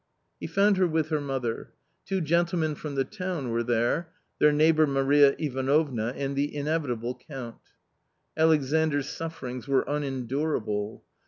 He found her with her mother. Two gentlemen from the town were there, their neighbour Maria Ivanovna, and the inevitable Count. Alexandr's sufferings were unendurable.